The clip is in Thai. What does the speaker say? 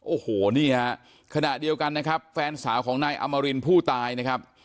โอ้โหนี่ฮะขณะเดียวกันนะครับแฟนสาวของนายอมรินผู้ตายนะครับ